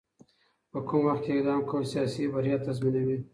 په کوم وخت کي اقدام کول سياسي بريا تضمينوي.